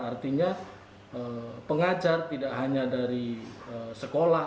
artinya pengajar tidak hanya dari sekolah